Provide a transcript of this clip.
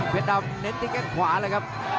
ดำเน้นที่แข้งขวาเลยครับ